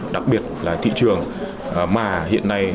đặc biệt là thị trường mà hiện nay